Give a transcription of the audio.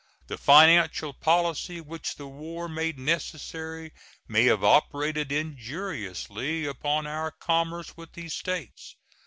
The financial policy which the war made necessary may have operated injuriously upon our commerce with these States.